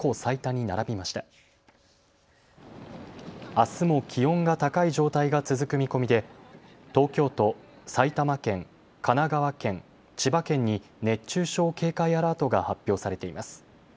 あすも気温が高い状態が続く見込みで、東京都、埼玉県、神奈川県、千葉県に熱中症警戒アラートが発表されています。